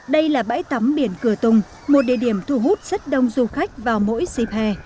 đây là bãi tắm biển cửa tùng một địa điểm thu hút rất đông du khách vào mỗi dịp hè